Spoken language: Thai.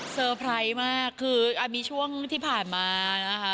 ไพรส์มากคือมีช่วงที่ผ่านมานะคะ